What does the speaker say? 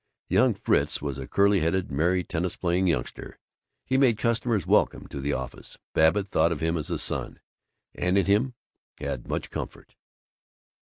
Young Fritz was a curly headed, merry, tennis playing youngster. He made customers welcome to the office. Babbitt thought of him as a son, and in him had much comfort.